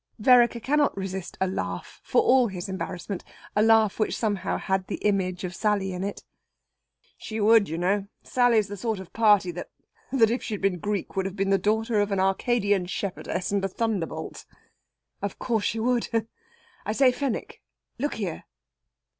Vereker cannot resist a laugh, for all his embarrassment, a laugh which somehow had the image of Sally in it. "She would, you know. Sally's the sort of party that that, if she'd been Greek, would have been the daughter of an Arcadian shepherdess and a thunderbolt." "Of course she would. I say, Fenwick, look here...."